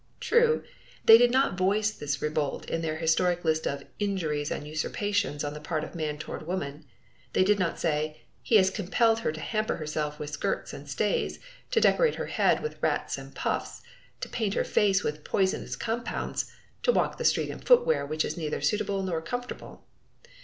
True, they did not voice this revolt in their historic list of "injuries and usurpations on the part of man toward woman." They did not say, "He has compelled her to hamper herself with skirts and stays, to decorate her head with rats and puffs, to paint her face with poisonous compounds, to walk the street in footwear which is neither suitable nor comfortable!"